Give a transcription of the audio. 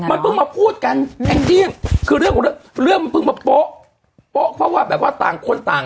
มันเพิ่งมาพูดกันแองจี้คือเรื่องของเรื่องเรื่องมันเพิ่งมาโป๊ะโป๊ะเพราะว่าแบบว่าต่างคนต่าง